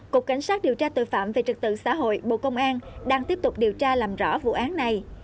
cục cảnh sát điều tra tội phạm về trật tự xã hội bộ công an đang tiếp tục điều tra làm rõ vụ án này